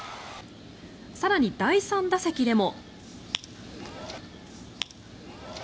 更に、第３打席でも。